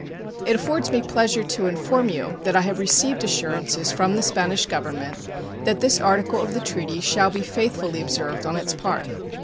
It affords me pleasure to inform you that I have received assurances from the Spanish Government that this article of the treaty shall be faithfully observed on its part.